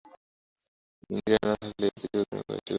ইন্দ্রিয় না থাকিলে এই পৃথিবীকে তুমি গ্রাহ্যই করিতে না।